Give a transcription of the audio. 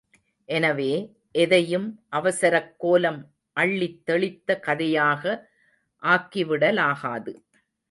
எனவே, எதையும் அவசரக் கோலம் அள்ளித் தெளித்த கதையாக ஆக்கி விடலாகாது.